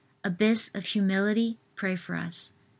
abyss of humility, pray for us.